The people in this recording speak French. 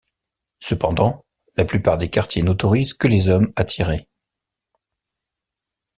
Cependant, la plupart des quartiers n'autorisent que les hommes à tirer.